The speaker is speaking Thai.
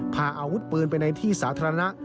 พาอาวุธปืนไปในที่สาธารณะ